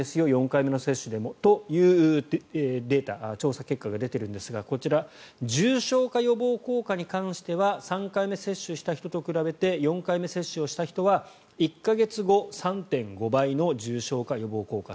４回目の接種でもというデータ調査結果が出ているんですがこちら重症化予防効果に関しては３回目接種した人と比べて４回目接種をした人は１か月後３．５倍の重症予防効果。